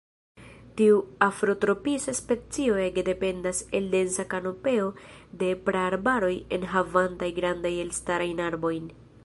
Tiu afrotropisa specio ege dependas el densa kanopeo de praarbaroj enhavantaj grandajn elstarajn arbojn.